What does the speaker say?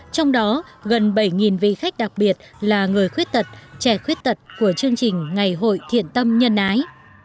trong đó gần bảy vị khách đặc biệt là người khuyết tật trẻ khuyết tật của chương trình ngày hội thiện tâm nhân ái